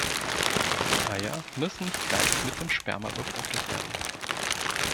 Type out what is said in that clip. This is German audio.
Die Eier müssen nicht gleich mit dem Sperma befruchtet werden.